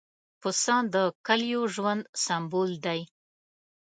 پسه د کلیو ژوند سمبول دی.